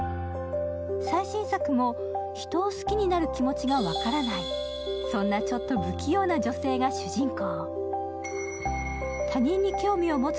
最新作も、人を好きになる気持ちが分からない、そんなちょっと不器用な女性が主人公。